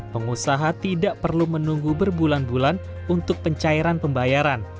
pengusaha tidak perlu menunggu berbulan bulan untuk pencairan pembayaran